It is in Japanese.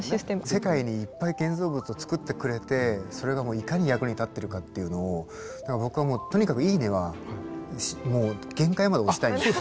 世界にいっぱい建造物をつくってくれてそれがもういかに役に立ってるかっていうのを僕はもうとにかく「いいね」はもう限界まで押したいんですよ。